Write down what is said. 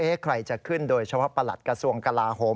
ใครจะขึ้นโดยเฉพาะประหลัดกระทรวงกลาโหม